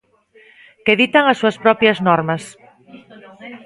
Que ditan as súas propias normas.